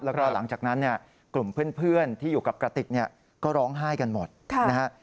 แล้วก็หลังจากนั้นเนี่ยกลุ่มเพื่อนที่อยู่กับกระติกเนี่ยก็ร้องไห้กันหมดนะฮะ